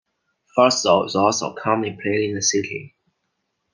Futsal is also commonly played in the city.